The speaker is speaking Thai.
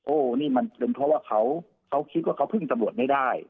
โอ้โหนี่มันเป็นเพราะว่าเขาคิดว่าเขาพึ่งตำรวจไม่ได้